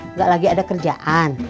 nggak lagi ada kerjaan